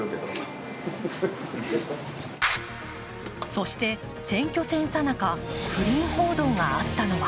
そして選挙戦さなか、不倫報道があったのは